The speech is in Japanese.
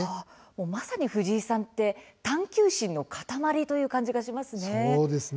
まさに藤井さんって探究心の塊という感じがしますね。